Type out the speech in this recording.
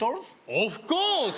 オフコース！